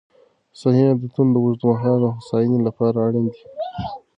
صحي عادتونه د اوږدمهاله هوساینې لپاره اړین دي.